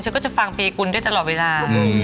ก็จะฟังปีกุลด้วยตลอดเวลา